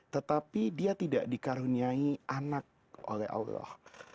tetapi dia tidak dikaruniai anak oleh allah